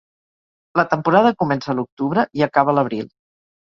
La temporada comença a l'octubre i acaba a l'abril.